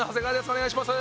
お願いします。